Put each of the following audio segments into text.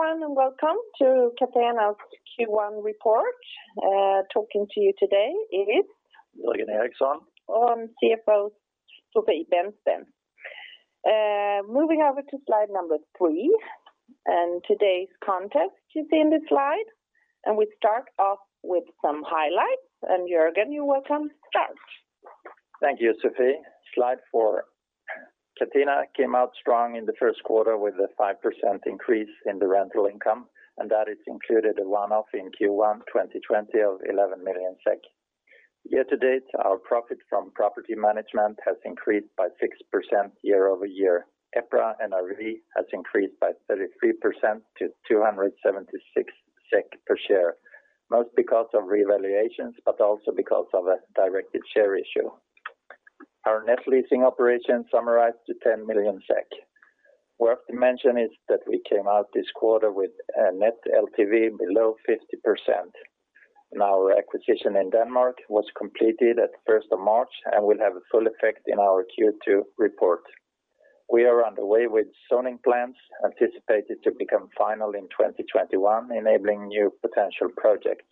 Everyone, Welcome to Catena's Q1 report. Talking to you today. Jörgen Eriksson CFO, Sofie Bennsten. Moving over to slide number three, today's content you see in the slide. We start off with some highlights. Jörgen, you are welcome start. Thank you, Sofie. Slide four. Catena came out strong in the first quarter with a 5% increase in the rental income, and that it's included a one-off in Q1 2020 of 11 million SEK. Year to date, our profit from property management has increased by 6% year-over-year. EPRA NRV has increased by 33% to 276 SEK per share, most because of revaluations, but also because of a directed share issue. Our net leasing operations summarized to 10 million SEK. Worth to mention is that we came out this quarter with a net LTV below 50%. Our acquisition in Denmark was completed at the 1st of March and will have a full effect in our Q2 report. We are on the way with zoning plans anticipated to become final in 2021, enabling new potential projects.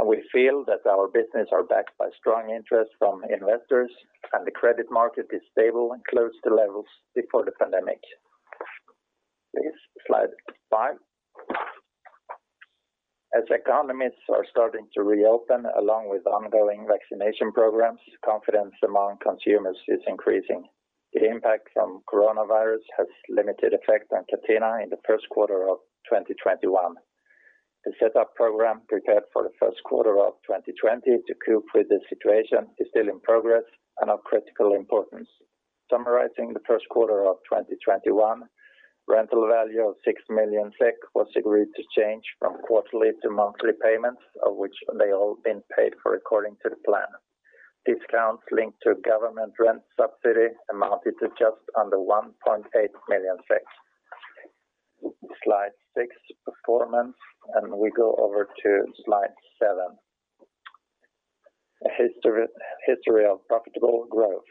We feel that our business are backed by strong interest from investors, and the credit market is stable and close to levels before the pandemic. Please, slide five. As economies are starting to reopen along with ongoing vaccination programs, confidence among consumers is increasing. The impact from coronavirus has limited effect on Catena in the first quarter of 2021. The set-up program prepared for the first quarter of 2020 to cope with the situation is still in progress and of critical importance. Summarizing the first quarter of 2021, rental value of 6 million SEK was agreed to change from quarterly to monthly payments, of which they all been paid for according to the plan. Discounts linked to government rent subsidy amounted to just under 1.8 million SEK. Slide six, performance. We go over to slide seven. A history of profitable growth.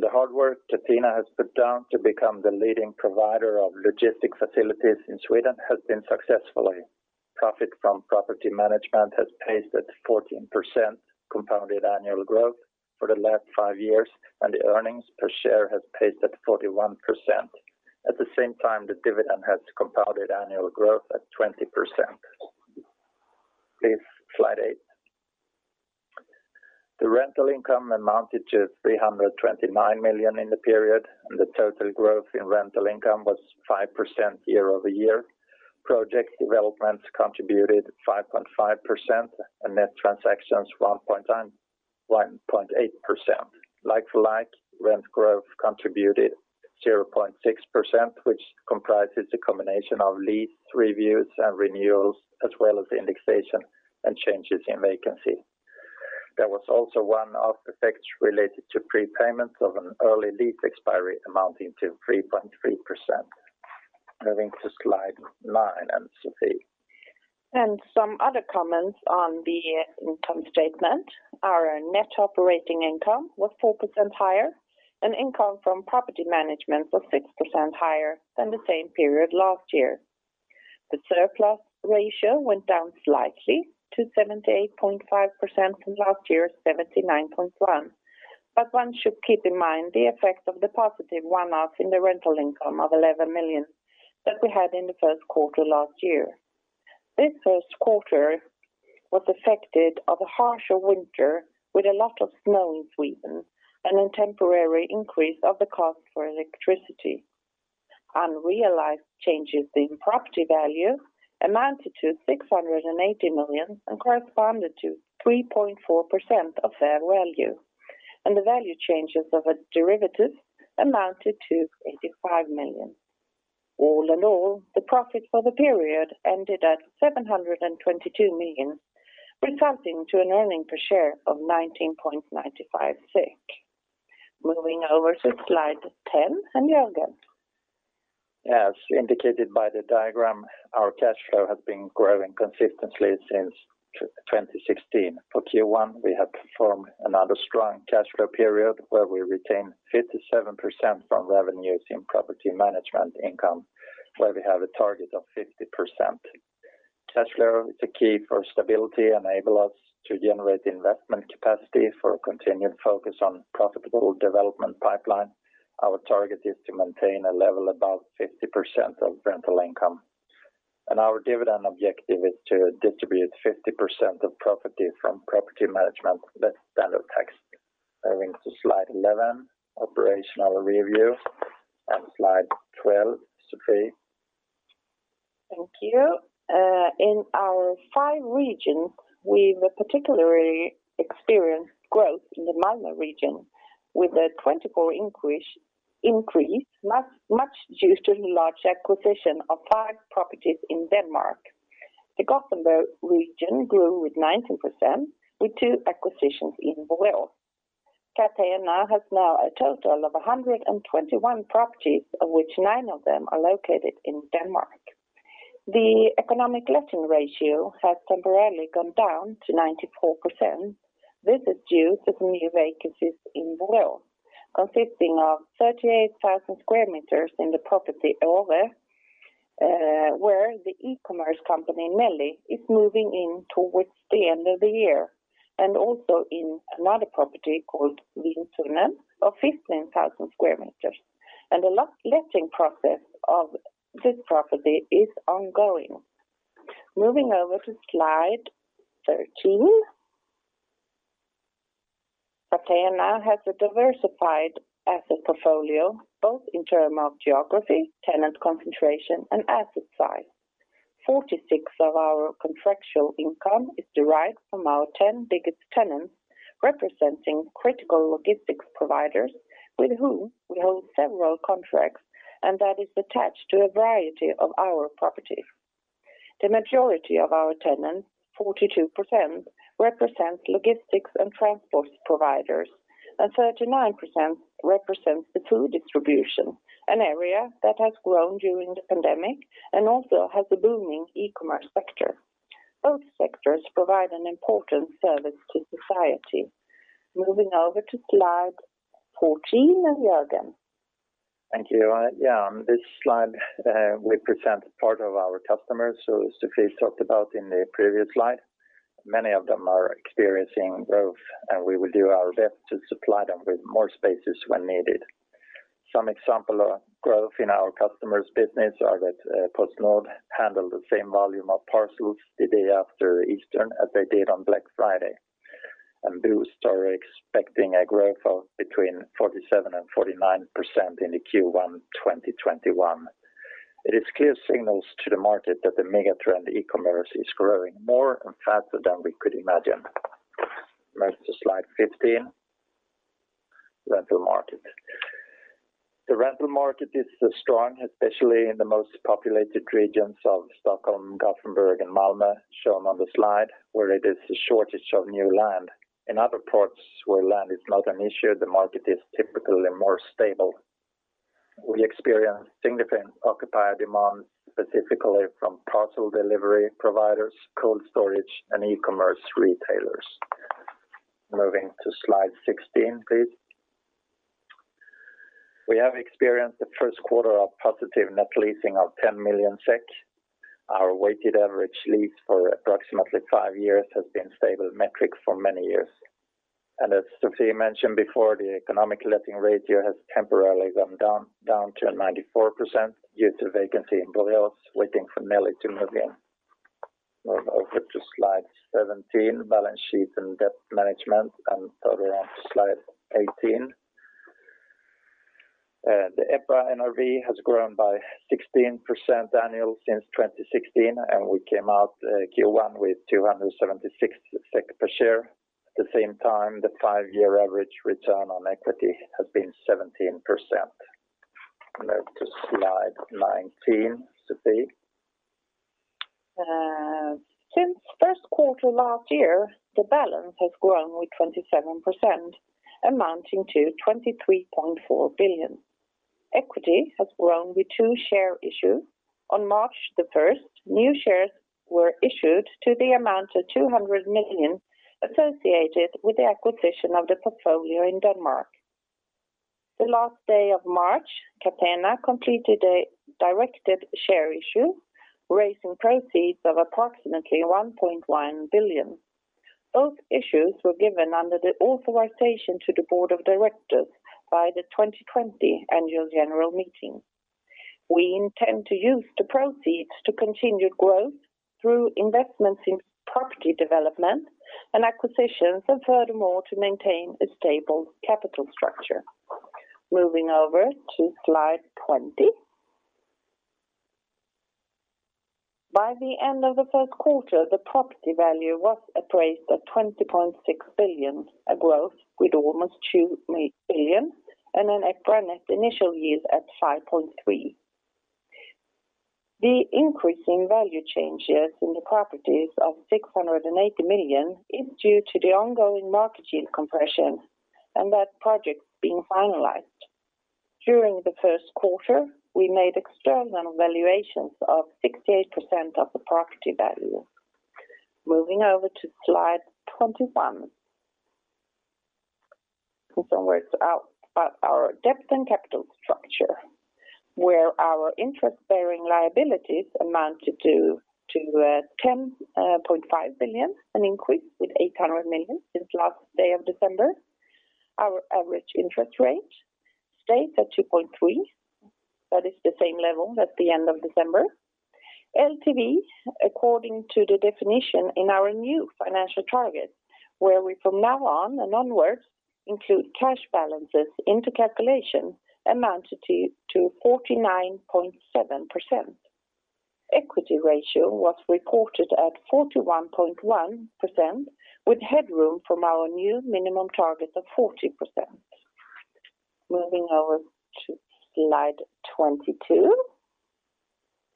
The hard work Catena has put down to become the leading provider of logistics facilities in Sweden has been successful. Profit from property management has paced at 14% compounded annual growth for the last five years, and the earnings per share has paced at 41%. At the same time, the dividend has compounded annual growth at 20%. Please, slide eight. The rental income amounted to 329 million in the period, and the total growth in rental income was 5% year-over-year. Project developments contributed 5.5%, and net transactions 1.8%. Like-for-like rent growth contributed 0.6%, which comprises a combination of lease reviews and renewals, as well as indexation and changes in vacancy. There was also one-off effect related to prepayments of an early lease expiry amounting to 3.3%. Moving to slide nine, and Sofie. Some other comments on the income statement. Our net operating income was 4% higher, and income from property management was 6% higher than the same period last year. The surplus ratio went down slightly to 78.5% from last year's 79.1%. One should keep in mind the effect of the positive one-off in the rental income of 11 million that we had in the first quarter last year. This first quarter was affected by a harsher winter with a lot of snow in Sweden and a temporary increase of the cost for electricity. Unrealized changes in property value amounted to 680 million and corresponded to 3.4% of fair value, and the value changes of its derivatives amounted to 85 million. All in all, the profit for the period ended at 722 million, resulting in an earning per share of 19.95 SEK. Moving over to slide 10, Jörgen. As indicated by the diagram, our cash flow has been growing consistently since 2016. For Q1, we have performed another strong cash flow period where we retain 57% from revenues in property management income, where we have a target of 50%. Cash flow is a key for stability, enable us to generate investment capacity for continued focus on profitable development pipeline. Our target is to maintain a level above 50% of rental income. Our dividend objective is to distribute 50% of profit from property management net standard tax. Moving to slide 11, operational review, and slide 12, Sofie. Thank you. In our five regions, we've particularly experienced growth in the Malmö region with a 24% increase much due to the large acquisition of five properties in Denmark. The Gothenburg region grew with 19% with two acquisitions in Borås. Catena has now a total of 121 properties, of which nine of them are located in Denmark. The economic letting ratio has temporarily gone down to 94%. This is due to new vacancies in Borås, consisting of 38,000 sq m in the property Åre 92, where the e-commerce company Nelly is moving in towards the end of the year, and also in another property called Vintunnan of 15,000 sq m. The last letting process of this property is ongoing. Moving over to slide 13. Catena now has a diversified asset portfolio, both in term of geography, tenant concentration, and asset size. 46% of our contractual income is derived from our 10 biggest tenants, representing critical logistics providers with whom we hold several contracts and that is attached to a variety of our properties. The majority of our tenants, 42%, represent logistics and transport providers, and 39% represents the food distribution, an area that has grown during the pandemic and also has a booming e-commerce sector. Both sectors provide an important service to society. Moving over to slide 14, Jörgen. Thank you. Yeah, on this slide, we present part of our customers who Sofie talked about in the previous slide. Many of them are experiencing growth, and we will do our best to supply them with more spaces when needed. Some example of growth in our customer's business are that PostNord handle the same volume of parcels the day after Easter as they did on Black Friday. Boozt are expecting a growth of between 47% and 49% in the Q1 2021. It is clear signals to the market that the mega trend e-commerce is growing more and faster than we could imagine. Move to slide 15, rental market. The rental market is strong, especially in the most populated regions of Stockholm, Gothenburg, and Malmö shown on the slide, where it is a shortage of new land. In other parts where land is not an issue, the market is typically more stable. We experience significant occupier demand, specifically from parcel delivery providers, cold storage, and e-commerce retailers. Moving to slide 16, please. We have experienced the first quarter of positive net leasing of 10 million SEK. Our weighted average lease for approximately five years has been stable metrics for many years. As Sofie mentioned before, the economic letting ratio has temporarily gone down to 94% due to vacancy in Gamlestaden waiting for Nelly to move in. Move over to slide 17, balance sheet and debt management, and further on to slide 18. The EPRA NRV has grown by 16% annual since 2016, and we came out Q1 with 276 SEK per share. At the same time, the five-year average return on equity has been 17%. Move to slide 19, Sofie. Since first quarter last year, the balance has grown with 27%, amounting to 23.4 billion. Equity has grown with two share issue. On March the 1st, new shares were issued to the amount of 200 million associated with the acquisition of the portfolio in Denmark. The last day of March, Catena completed a directed share issue, raising proceeds of approximately 1.1 billion. Both issues were given under the authorization to the board of directors by the 2020 annual general meeting. We intend to use the proceeds to continued growth through investments in property development and acquisitions. Furthermore, to maintain a stable capital structure. Moving over to slide 20. By the end of the first quarter, the property value was appraised at 20.6 billion, a growth with almost 2 billion and an EPRA net initial yield at 5.3%. The increase in value changes in the properties of 680 million is due to the ongoing market yield compression and that project being finalized. During the first quarter, we made external valuations of 68% of the property value. Moving over to slide 21. Some words about our debt and capital structure, where our interest-bearing liabilities amounted to 10.5 billion, an increase with 800 million since last day of December. Our average interest rate stays at 2.3%. That is the same level as the end of December. LTV, according to the definition in our new financial target, where we from now on and onwards include cash balances into calculation, amounted to 49.7%. Equity ratio was reported at 41.1% with headroom from our new minimum target of 40%. Moving over to slide 22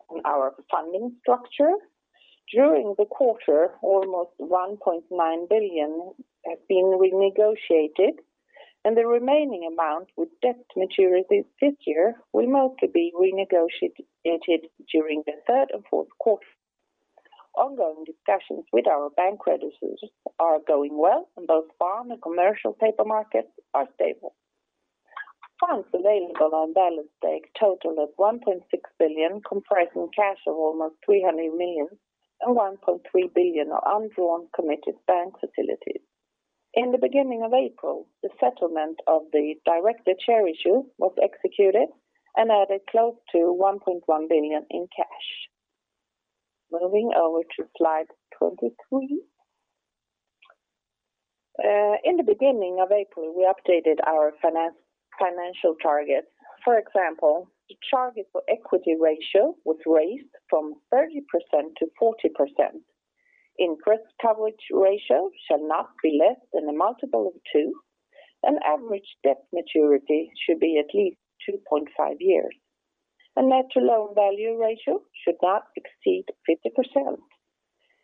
on our funding structure. During the quarter, almost 1.9 billion have been renegotiated, and the remaining amount with debt maturities this year will mostly be renegotiated during the third and fourth quarter. Ongoing discussions with our bank creditors are going well in both bond and commercial paper markets are stable. Funds available on balance date total 1.6 billion, comprising cash of almost 300 million and 1.3 billion of undrawn committed bank facilities. In the beginning of April, the settlement of the directed share issue was executed and added close to 1.1 billion in cash. Moving over to slide 23. In the beginning of April, we updated our financial targets. For example, the target for equity ratio was raised from 30%-40%. Interest coverage ratio shall not be less than a multiple of two, and average debt maturity should be at least 2.5 years. Net-to-loan value ratio should not exceed 50%.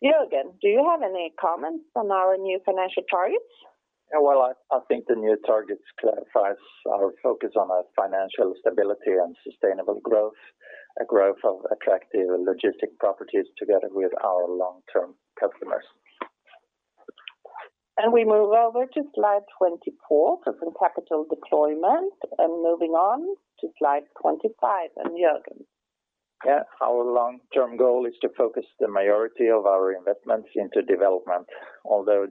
Jörgen, do you have any comments on our new financial targets? Well, I think the new targets clarifies our focus on our financial stability and sustainable growth, a growth of attractive logistics properties together with our long-term customers. We move over to slide 24 for some capital deployment, and moving on to slide 25. Jörgen. Yeah. Our long-term goal is to focus the majority of our investments into development.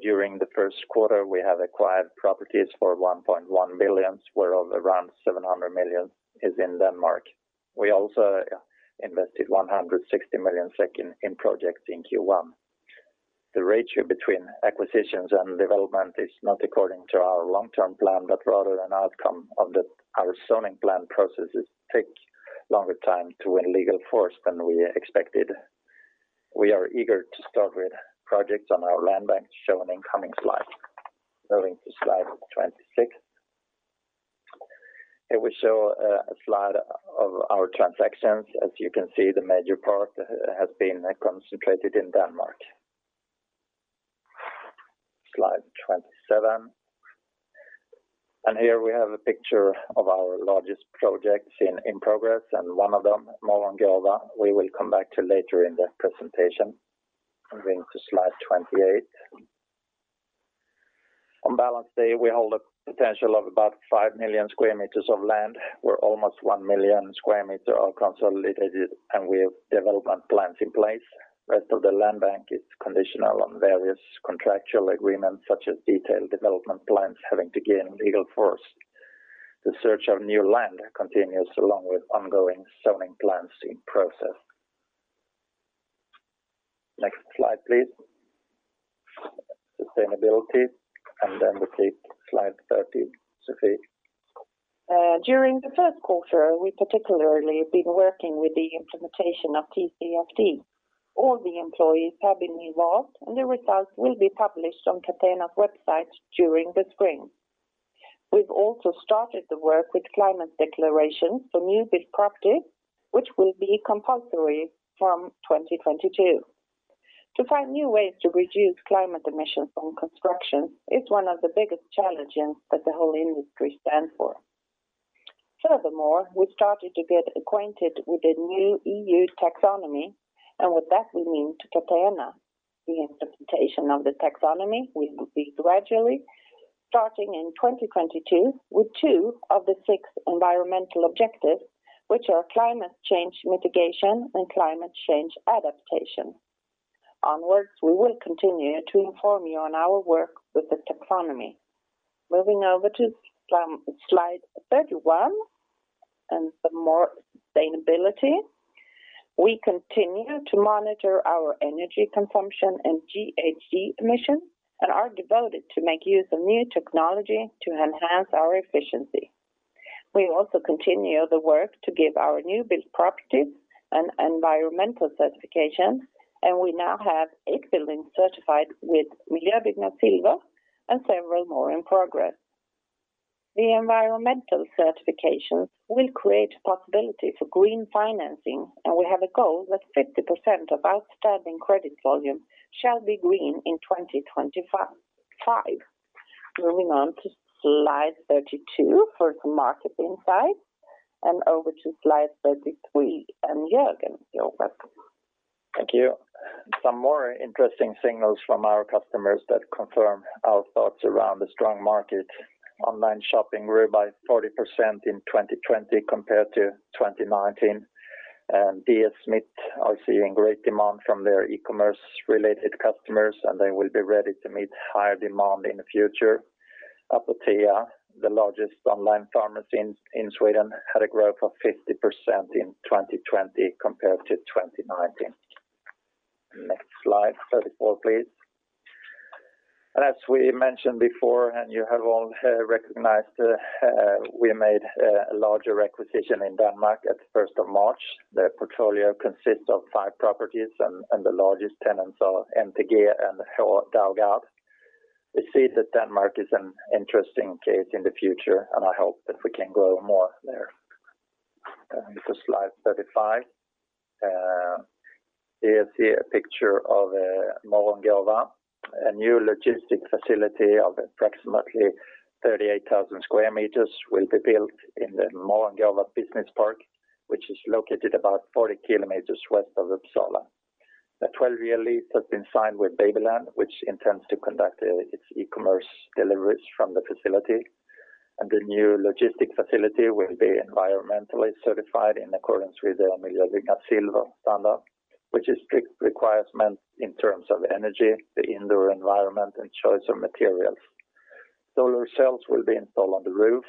During the first quarter, we have acquired properties for 1.1 billion, whereof around 700 million is in Denmark. We also invested 160 million SEK in projects in Q1. The ratio between acquisitions and development is not according to our long-term plan, rather an outcome of our zoning plan processes take longer time to win legal force than we expected. We are eager to start with projects on our land bank, shown in coming slides. Moving to slide 26. Here we show a slide of our transactions. As you can see, the major part has been concentrated in Denmark. Slide 27. Here we have a picture of our largest projects in progress, and one of them, Morgongåva, we will come back to later in the presentation. Moving to slide 28. On balance day, we hold a potential of about 5 million sq m of land, where almost 1 million sq m are consolidated and with development plans in place. Rest of the land bank is conditional on various contractual agreements such as detailed development plans having to gain legal force. The search of new land continues along with ongoing zoning plans in process. Next slide, please. Sustainability. Then we take slide 30, Sofie. During the first quarter, we particularly have been working with the implementation of TCFD. All the employees have been involved, and the results will be published on Catena's website during the spring. We've also started the work with climate declarations for new build property, which will be compulsory from 2022. To find new ways to reduce climate emissions from construction is one of the biggest challenges that the whole industry stand for. We started to get acquainted with the new EU taxonomy and what that will mean to Catena. The implementation of the taxonomy will be gradually starting in 2022 with two of the six environmental objectives, which are climate change mitigation and climate change adaptation. We will continue to inform you on our work with the taxonomy. Moving over to slide 31, and some more sustainability. We continue to monitor our energy consumption and GHG emissions are devoted to make use of new technology to enhance our efficiency. We also continue the work to give our new build properties an environmental certification, we now have eight buildings certified with Miljöbyggnad Silver and several more in progress. The environmental certifications will create possibility for green financing, we have a goal that 50% of outstanding credit volume shall be green in 2025. Moving on to slide 32 for some market insights, over to slide 33 and Jörgen. You're welcome. Thank you. Some more interesting signals from our customers that confirm our thoughts around the strong market. Online shopping grew by 40% in 2020 compared to 2019. DS Smith are seeing great demand from their e-commerce-related customers, and they will be ready to meet higher demand in the future. Apotea, the largest online pharmacy in Sweden, had a growth of 50% in 2020 compared to 2019. Next slide, 34, please. As we mentioned before, and you have all recognized, we made a larger acquisition in Denmark at the 1st of March. The portfolio consists of five properties and the largest tenants are NTG and. We see that Denmark is an interesting case in the future, and I hope that we can grow more there. Moving to slide 35. Here you see a picture of Morgongåva. A new logistics facility of approximately 38,000 sq m will be built in the Morgongåva Business Park, which is located about 40 km west of Uppsala. The 12-year lease has been signed with Babyland, which intends to conduct its e-commerce deliveries from the facility. The new logistics facility will be environmentally certified in accordance with the Miljöbyggnad Silver standard, which is strict requirements in terms of energy, the indoor environment, and choice of materials. Solar cells will be installed on the roof.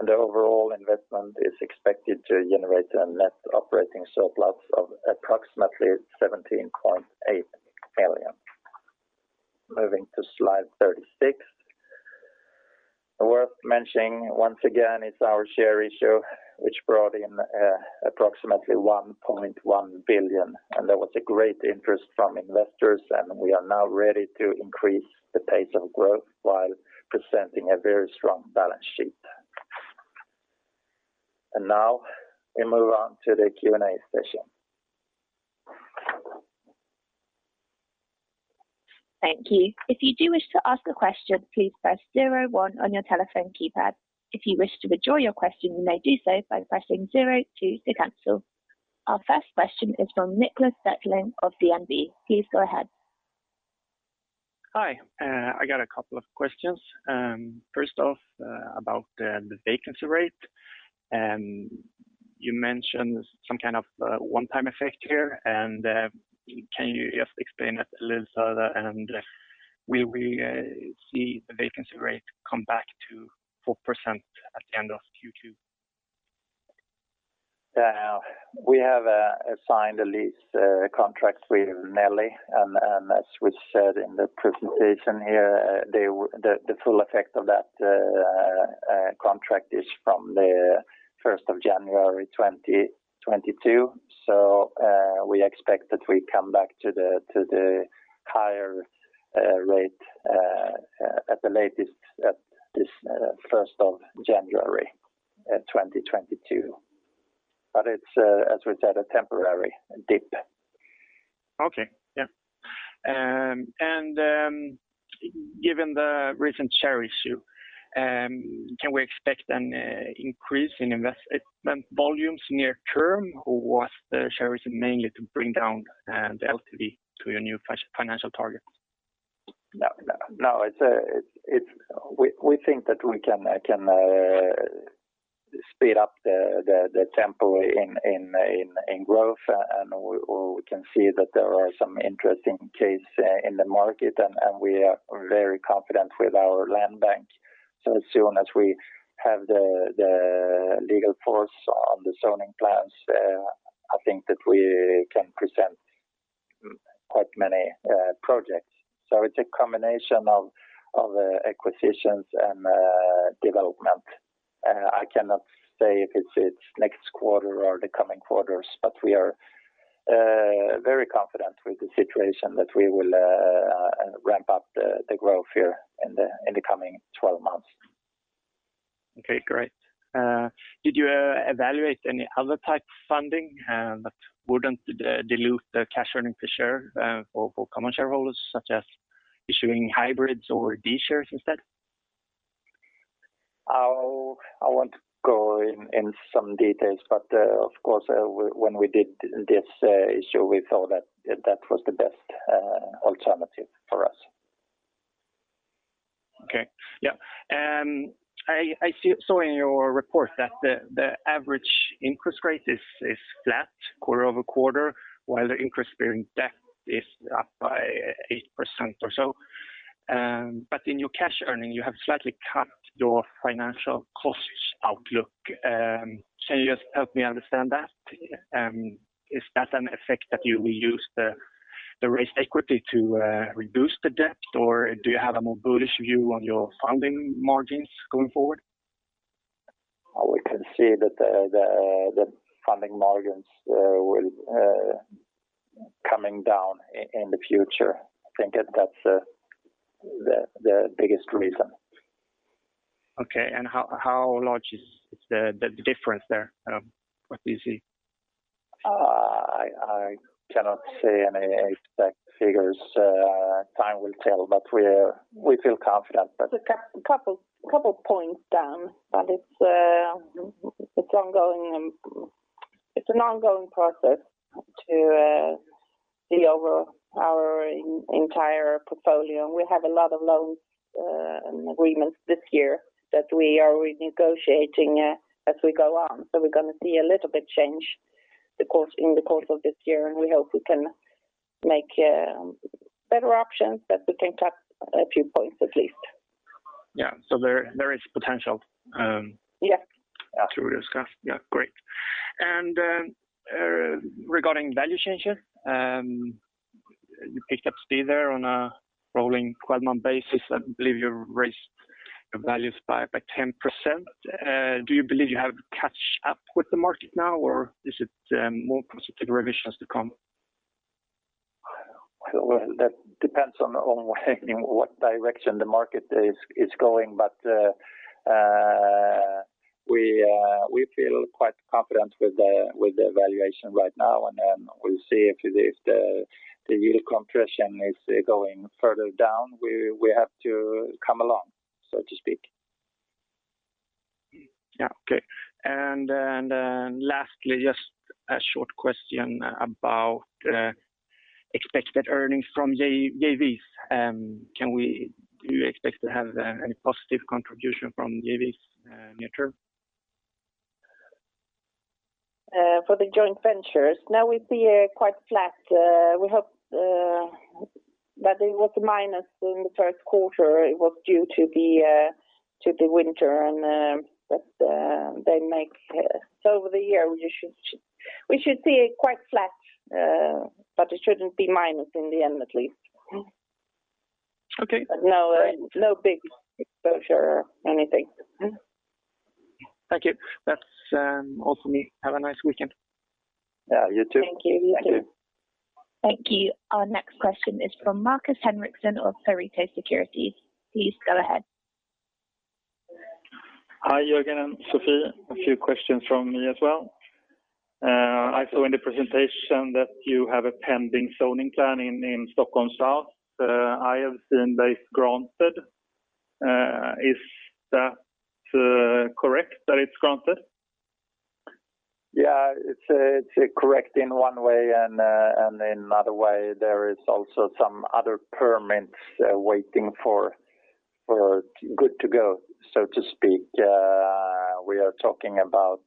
The overall investment is expected to generate a net operating surplus of approximately 17.8 million. Moving to slide 36. Worth mentioning once again is our share issue, which brought in approximately 1.1 billion. There was a great interest from investors. We are now ready to increase the pace of growth while presenting a very strong balance sheet. Now we move on to the Q&A session. Thank you. If you do wish to ask a question, please press zero one on your telephone keypad. If you wish to withdraw your question, you may do so by pressing zero two to cancel. Our first question is from Niklas Bäcklin of DNB. Please go ahead. Hi. I got a couple of questions. First off, about the vacancy rate. You mentioned some kind of one-time effect here, can you just explain that a little further? Will we see the vacancy rate come back to 4% at the end of Q2? Yeah. We have assigned a lease contract with Nelly, as we said in the presentation here, the full effect of that contract is from the 1st of January 2022. We expect that we come back to the higher rate at the latest at this 1st of January 2022. It's, as we said, a temporary dip. Okay. Yeah. Given the recent share issue, can we expect an increase in investment volumes near term, or was the share issue mainly to bring down the LTV to your new financial targets? No. We think that we can speed up the tempo in growth, and we can see that there are some interesting cases in the market, and we are very confident with our land bank. As soon as we have the legal force on the zoning plans, I think that we can present quite many projects. It's a combination of acquisitions and development. I cannot say if it's next quarter or the coming quarters. We are very confident with the situation that we will ramp up the growth here in the coming 12 months. Okay, great. Did you evaluate any other type of funding that wouldn't dilute the cash earnings per share for common shareholders, such as issuing hybrids or D-shares instead? I won't go in some details, but of course, when we did this issue, we thought that that was the best alternative for us. Okay. Yeah. I saw in your report that the average interest rate is flat quarter-over-quarter, while the interest-bearing debt is up by 8% or so. In your cash earning, you have slightly cut your financial costs outlook. Can you just help me understand that? Is that an effect that you will use the raised equity to reduce the debt, or do you have a more bullish view on your funding margins going forward? We can see that the funding margins will coming down in the future. I think that that's the biggest reason. Okay, how large is the difference there? What do you see? I cannot say any exact figures. Time will tell, we feel confident. A couple points down, but it's an ongoing process to see over our entire portfolio. We have a lot of loans agreements this year that we are renegotiating as we go on. We're going to see a little bit change in the course of this year, and we hope we can make better options, but we can cut a few points at least. Yeah. There is potential. Yeah To discuss. Yeah, great. Regarding value change here, you picked up speed there on a rolling 12-month basis. I believe you raised your values by 10%. Do you believe you have to catch up with the market now, or is it more positive revisions to come? Well, that depends on what direction the market is going. We feel quite confident with the valuation right now, and then we'll see if the yield compression is going further down. We have to come along, so to speak. Yeah. Okay. Lastly, just a short question about expected earnings from JVs. Do you expect to have any positive contribution from JVs near-term? For the joint ventures, now we see quite flat. That it was minus in the first quarter, it was due to the winter. Over the year, we should see it quite flat, but it shouldn't be minus in the end, at least. Okay. No big exposure or anything. Thank you. That's all from me. Have a nice weekend. Yeah, you too. Thank you too. Thank you. Thank you. Our next question is from Markus Henriksson of Pareto Securities. Please go ahead. Hi, Jörgen and Sofie. A few questions from me as well. I saw in the presentation that you have a pending zoning plan in Stockholm South. I have seen that it's granted. Is that correct, that it's granted? Yeah, it's correct in one way and in another way, there is also some other permits waiting for good to go, so to speak. We are talking about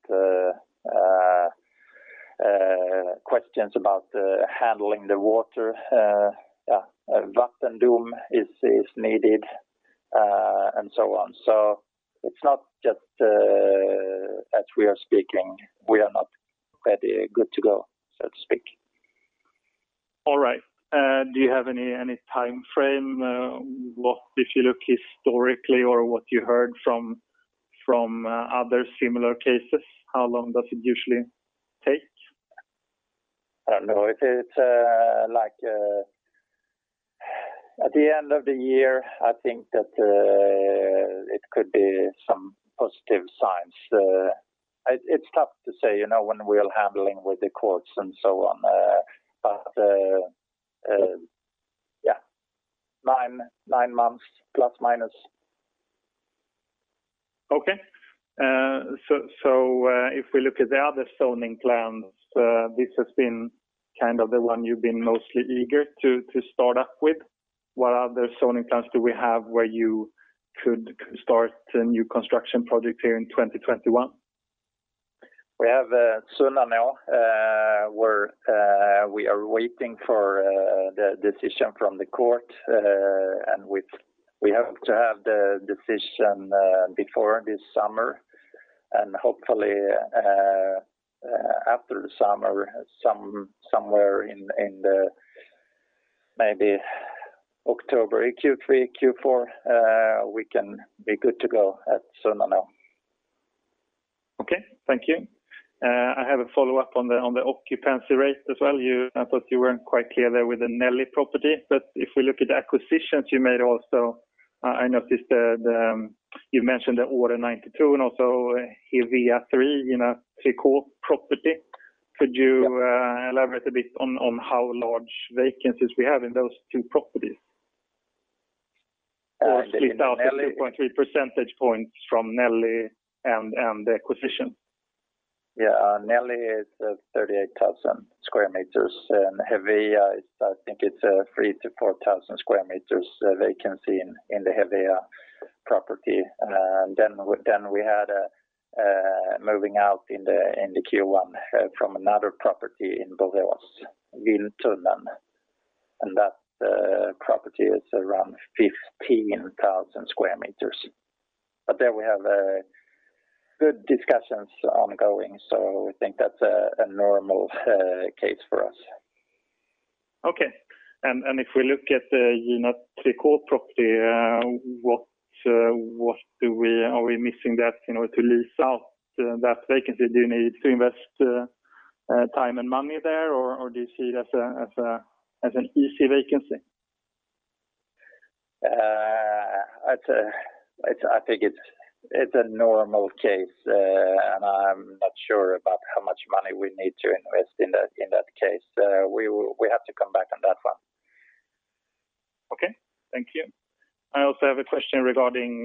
questions about handling the water. A Vattendom is needed, and so on. It's not just as we are speaking, we are not very good to go, so to speak. All right. Do you have any timeframe? If you look historically or what you heard from other similar cases, how long does it usually take? I don't know. At the end of the year, I think that it could be some positive signs. It's tough to say when we're handling with the courts and so on. Yeah, nine months, plus, minus. Okay. If we look at the other zoning plans, this has been kind of the one you've been mostly eager to start up with. What other zoning plans do we have where you could start a new construction project here in 2021? We have Sunnanå, where we are waiting for the decision from the court, and we hope to have the decision before this summer. Hopefully, after the summer, somewhere in maybe October Q3, Q4, we can be good to go at Sunnanå. Okay, thank you. I have a follow-up on the occupancy rate as well. I thought you weren't quite clear there with the Nelly property, but if we look at the acquisitions you made also, I noticed that you mentioned the Åre 92 and also Hevia 3 in a Triqo property. Could you elaborate a bit on how large vacancies we have in those two properties? Or split out the 2.3 percentage points from Nelly and the acquisition. Yeah. Nelly is 38,000 sq m, and Hevia, I think it's 3,000-4,000 sq m vacancy in the Hevia 3 property. We had a moving out in the Q1 from another property in Borlänge, Vintunnan, and that property is around 15,000 sq m. There we have good discussions ongoing, so we think that's a normal case for us. Okay. If we look at the Triqo property, what are we missing there in order to lease out that vacancy? Do you need to invest time and money there, or do you see it as an easy vacancy? I think it's a normal case, and I'm not sure about how much money we need to invest in that case. We have to come back on that one. Okay. Thank you. I also have a question regarding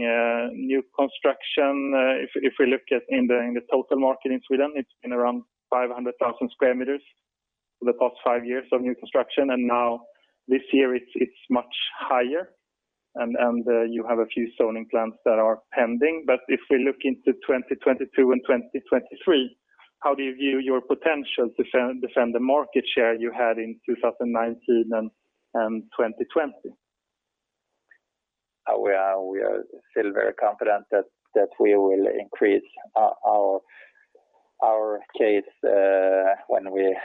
new construction. If we look at in the total market in Sweden, it's been around 500,000 sq m for the past five years of new construction, and now this year it's much higher, and you have a few zoning plans that are pending. If we look into 2022 and 2023, how do you view your potential to defend the market share you had in 2019 and 2020? We are still very confident that we will increase our case when we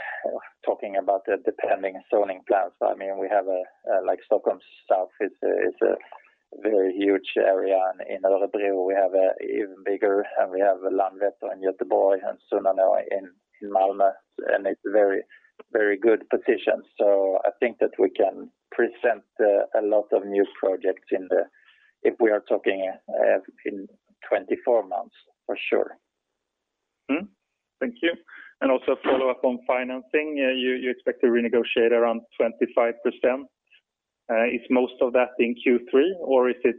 talking about the pending zoning plans. Stockholm South is a very huge area, and in Örebro, we have even bigger, and we have Landvetter in Göteborg and Sunnanå in Malmö, and it's very good positions. I think that we can present a lot of new projects if we are talking in 24 months, for sure. Thank you. Also a follow-up on financing. You expect to renegotiate around 25%. Is most of that in Q3, or is it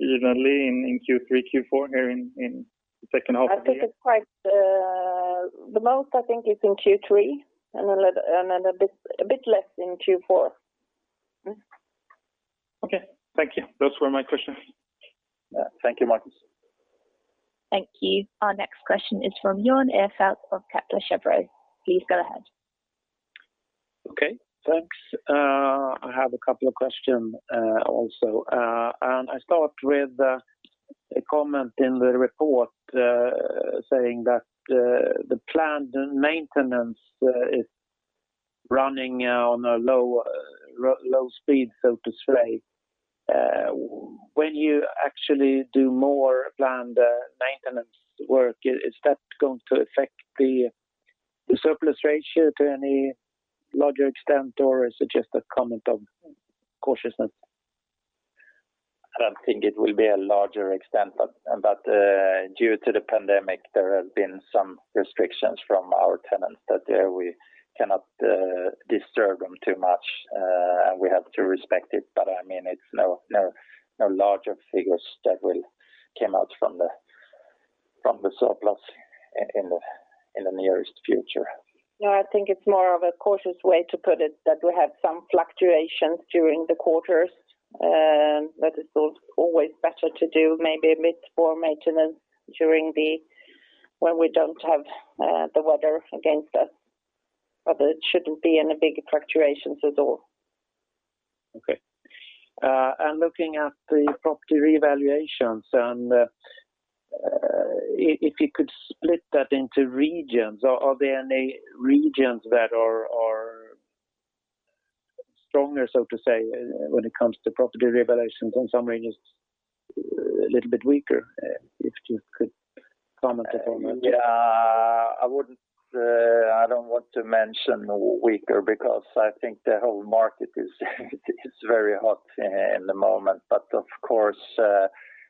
evenly in Q3, Q4 here in the second half of the year? The most I think is in Q3 and a bit less in Q4. Okay, thank you. Those were my questions. Thank you, Markus. Thank you. Our next question is from Jan Ihrfelt of Kepler Cheuvreux. Please go ahead. Okay, thanks. I have a couple of questions also. I start with a comment in the report saying that the planned maintenance is running on a low speed, so to say. When you actually do more planned maintenance work, is that going to affect the surplus ratio to any larger extent, or is it just a comment of cautiousness? I don't think it will be a larger extent, but due to the pandemic, there have been some restrictions from our tenants that we cannot disturb them too much. We have to respect it, but it's no larger figures that will come out from the surplus in the nearest future. No, I think it's more of a cautious way to put it that we have some fluctuations during the quarters that it's always better to do maybe a mid-form maintenance during when we don't have the weather against us. It shouldn't be any big fluctuations at all. Okay. Looking at the property revaluations and if you could split that into regions, are there any regions that are stronger, so to say, when it comes to property revaluations and some regions a little bit weaker? If you could comment upon that. Yeah. I don't want to mention weaker because I think the whole market is very hot at the moment. Of course,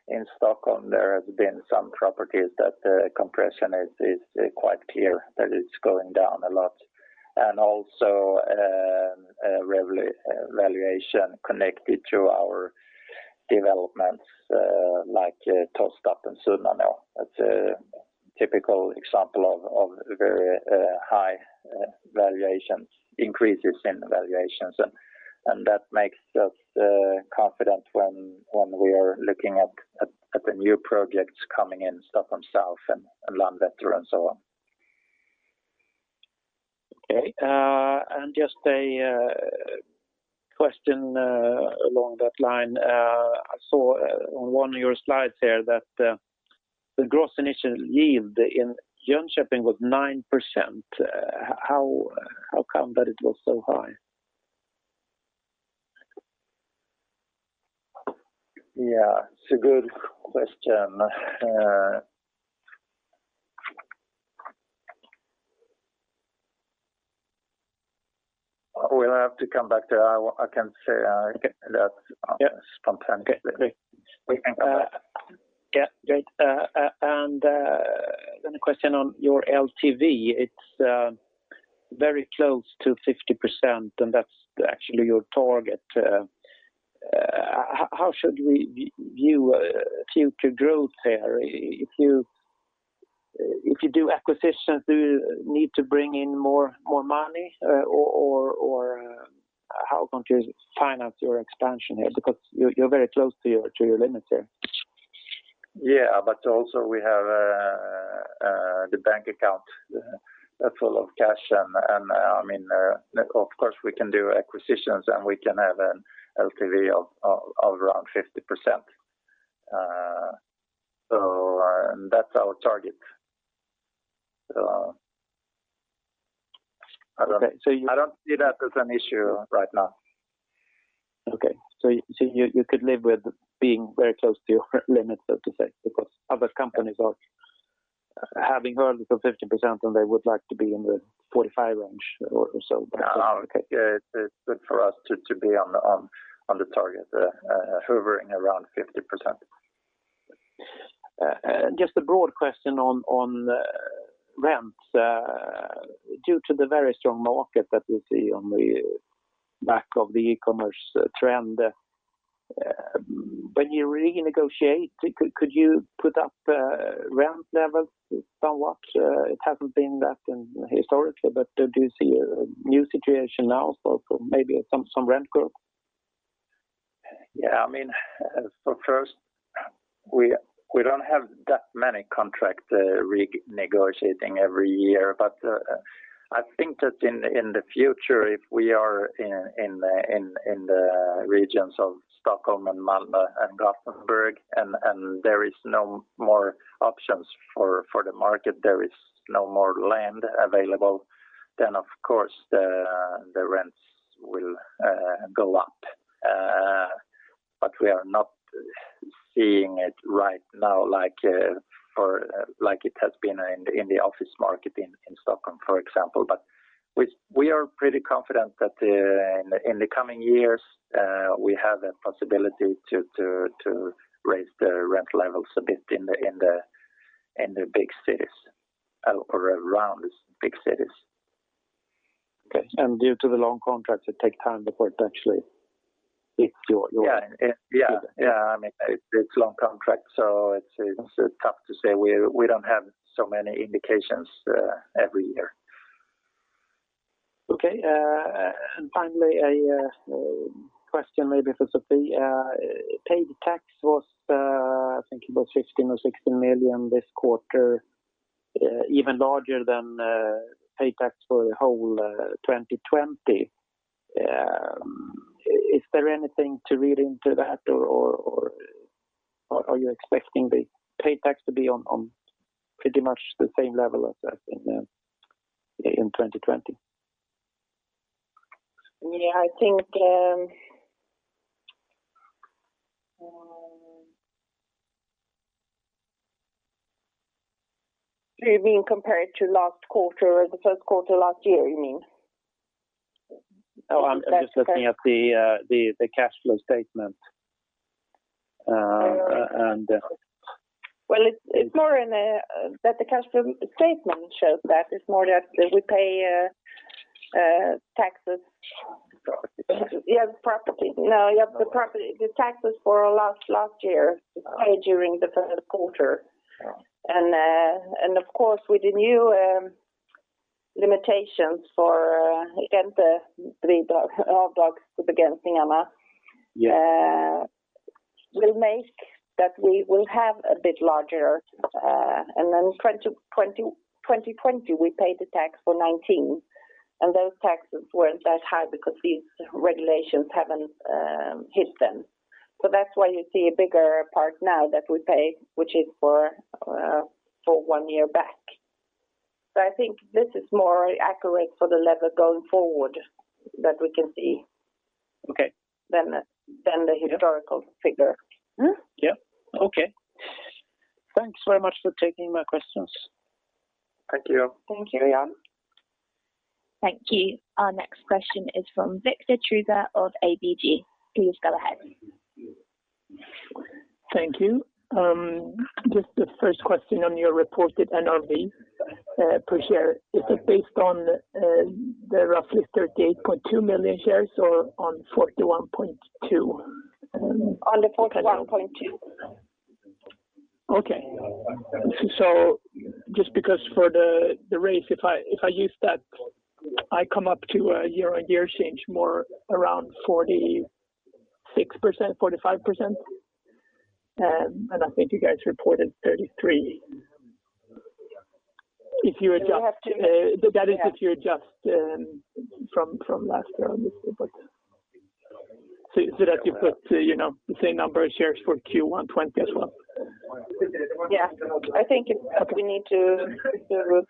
in Stockholm there has been some properties that the compression is quite clear that it's going down a lot. Also a revaluation connected to our developments like Tostarp and Sunnanå. That's a typical example of very high increases in valuations. That makes us confident when we are looking at the new projects coming in Stockholm South and Landvetter and so on. Okay. Just a question along that line. I saw on one of your slides here that the gross initial yield in Jönköping was 9%. How come that it was so high? Yeah, it's a good question. We'll have to come back to that. I can say that spontaneously. Yeah. Great. Then a question on your LTV. It's very close to 50% and that's actually your target. How should we view future growth there? If you do acquisitions, do you need to bring in more money? How can you finance your expansion here? Because you're very close to your limit here. Yeah, we have the bank account full of cash, and of course we can do acquisitions and we can have an LTV of around 50%. That's our target. Okay. I don't see that as an issue right now. Okay. You could live with being very close to your limit, so to say, because other companies are having hurdles of 50% and they would like to be in the 45 range or so. No. Okay. It's good for us to be on the target hovering around 50%. Just a broad question on rent. Due to the very strong market that we see on the back of the e-commerce trend, when you renegotiate, could you put up rent levels somewhat? It hasn't been that historically, but do you see a new situation now for maybe some rent growth? Yeah. First, we don't have that many contracts renegotiating every year. I think that in the future, if we are in the regions of Stockholm and Malmö and Gothenburg and there is no more options for the market, there is no more land available, then of course the rents will go up, but we are not seeing it right now, like it has been in the office market in Stockholm for example. We are pretty confident that in the coming years, we have the possibility to raise the rent levels a bit in the big cities or around big cities. Okay. Due to the long contracts, it takes time before it actually hits your- It's a long contract, so it's tough to say. We don't have so many indications every year. Okay. Finally, a question maybe for Sofie. Paid tax was, I think it was 15 million or 16 million this quarter, even larger than paid tax for the whole 2020. Is there anything to read into that, or are you expecting the paid tax to be on pretty much the same level as in 2020? Yeah. You mean compared to last quarter or the first quarter of last year? No, I'm just looking at the cash flow statement. Well, that the cash flow statement shows that is more that we pay taxes. You have property. No, you have the property, the taxes for last year is paid during the first quarter. Yeah. Of course, with the new limitations for all D-shares to begin. Yeah. Will make that we will have a bit larger. 2020, we paid the tax for 2019, and those taxes weren't that high because these regulations haven't hit then. That's why you see a bigger part now that we pay, which is for one year back. I think this is more accurate for the level going forward that we can see. Okay Than the historical figure. Yeah. Okay. Thanks very much for taking my questions. Thank you. Thank you, Jan. Thank you. Our next question is from Victor Krüeger of ABG. Please go ahead. Thank you. Just the first question on your reported NRV per share. Is it based on the roughly 38.2 million shares or on 41.2? On the 41.2. Okay. Just because for the rate, if I use that, I come up to a year-on-year change more around 46%, 45%. I think you guys reported 33%. That is if you adjust from last year, obviously. So that you put the same number of shares for Q1 2020 as well. Yeah. I think we need to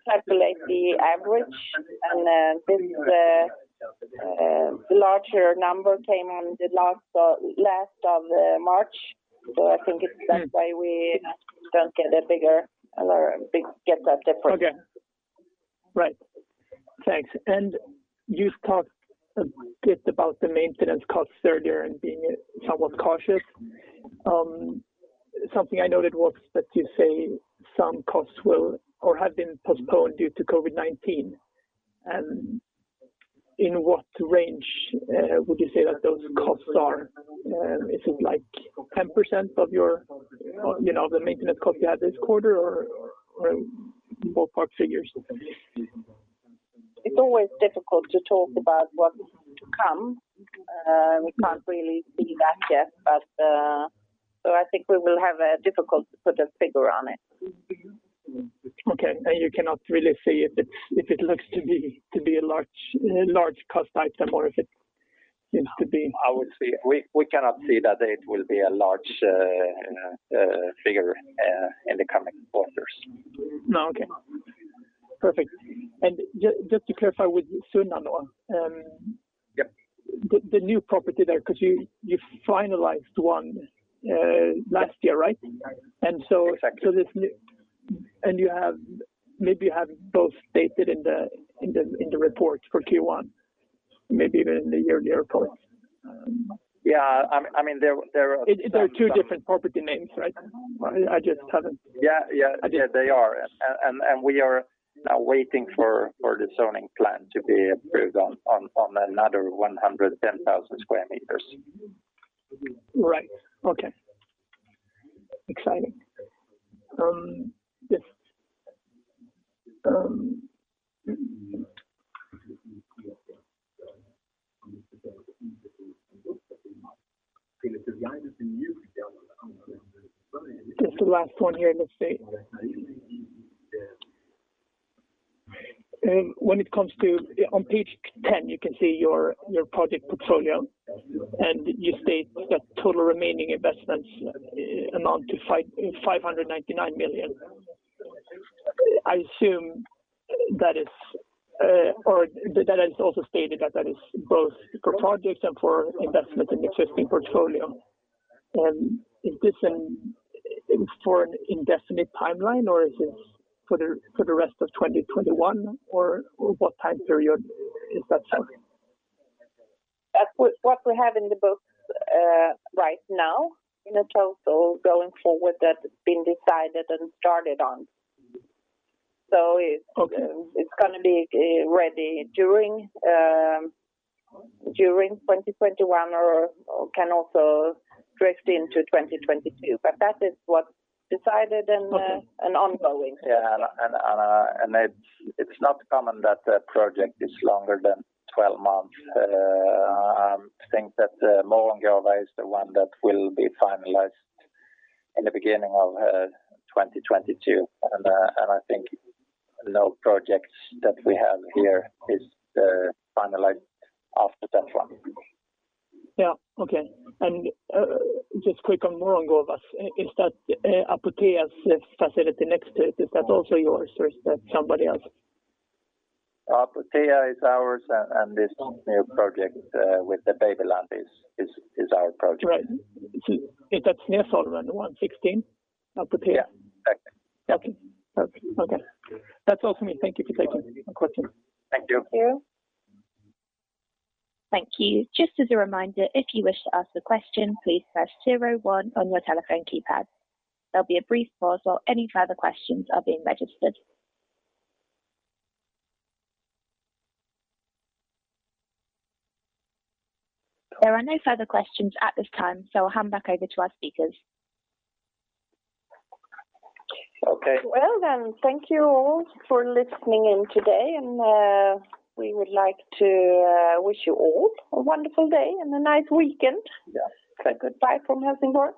calculate the average, and since the larger number came on the last of March. I think that's why we don't get that difference. Okay. Right. Thanks. You talked a bit about the maintenance costs earlier and being somewhat cautious. Something I noted was that you say some costs will or have been postponed due to COVID-19. In what range would you say that those costs are? Is it 10% of the maintenance cost you had this quarter or ballpark figures? It's always difficult to talk about what is to come. We can't really see that yet. I think we will have a difficulty to put a figure on it. Okay. You cannot really see if it looks to be a large cost item or if it seems to be. We cannot see that it will be a large figure in the coming quarters. No. Okay. Perfect. Just to clarify with Sunnanå, another one. Yeah. The new property there, because you finalized one last year, right? Exactly. Maybe you have both stated in the report for Q1, maybe even in the year report. Yeah. They are two different property names, right? Yeah. They are. We are now waiting for the zoning plan to be approved on another 110,000 sq m. Right. Okay. Exciting. Just the last one here, let's see. When it comes to on page 10, you can see your project portfolio, and you state that total remaining investments amount to 599 million. I assume that is also stated that is both for projects and for investment in existing portfolio. Is this for an indefinite timeline, or is this for the rest of 2021, or what time period is that set? That's what we have in the books right now. It's also going forward that it's been decided and started on. Okay. It's going to be ready during 2021 or can also drift into 2022. That is what's decided and ongoing. Yeah. It's not common that a project is longer than 12 months. I think that Mörgongåva is the one that will be finalized in the beginning of 2022. I think no projects that we have here is finalized after that one. Yeah. Okay. Just quick on Mörgongåva, is that Apotea's facility next to it? Is that also yours or is that somebody else? Apotea is ours, and this new project with the Babyland is our project. Right. Is that near Solrön 116? Apotea. Yeah, exactly. Okay. That's all for me. Thank you for taking my question. Thank you. Thank you. Thank you. Just as a reminder, if you wish to ask a question, please press zero one on your telephone keypad. There'll be a brief pause while any further questions are being registered. There are no further questions at this time. I'll hand back over to our speakers. Okay. Thank you all for listening in today, and we would like to wish you all a wonderful day and a nice weekend. Yes. Goodbye from Helsingborg.